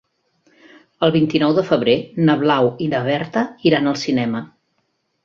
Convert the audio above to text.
El vint-i-nou de febrer na Blau i na Berta iran al cinema.